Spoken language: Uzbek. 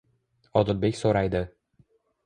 Odilbek so'raydi: